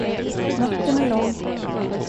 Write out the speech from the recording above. Natten är lång.